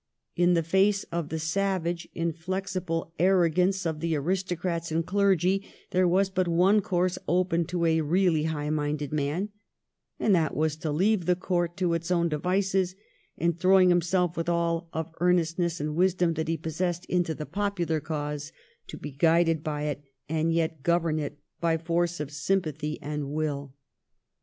In the face of the savage, inflexible arro gance of the aristocrats and clergy, there was but one course open to a really high minded man, and that was to leave the Court to its own de vices, and, throwing himself with all of earnest ness and wisdom that he possessed into the popular cause, to be guided by it, and yet govern it by force of sympathy and will.